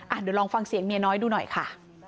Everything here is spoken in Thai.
เดี๋ยวลองฟังเสียงเมียน้อยดูหน่อยค่ะ